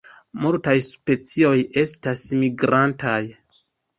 Multaj specioj estas migrantaj.